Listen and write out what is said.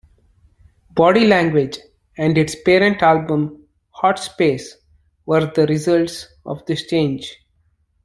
"Body Language" and its parent album "Hot Space" were the results of this change.